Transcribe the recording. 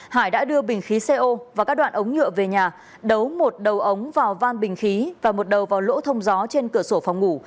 hải đã đưa bình khí co và các đoạn ống nhựa về nhà đấu một đầu ống vào van bình khí và một đầu vào lỗ thông gió trên cửa sổ phòng ngủ